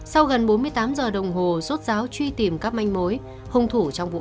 sau gần bốn mươi tám giờ đồng hồ xuất giáo truy tìm các manh mối hùng thủ trong vụ án